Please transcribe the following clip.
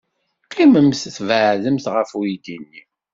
Qqimemt tbeɛdemt ɣef uydi-nni.